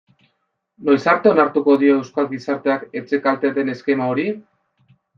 Noiz arte onartuko dio euskal gizarteak etxekalte den eskema hori?